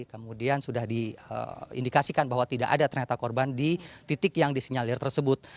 kemudian sudah diindikasikan bahwa tidak ada ternyata korban di titik yang disinyalir tersebut